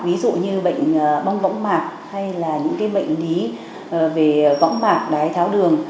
ví dụ như bệnh bong võng mạc hay là những bệnh lý về võng mạc đáy tháo đường